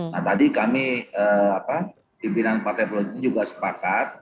nah tadi kami pimpinan partai politik juga sepakat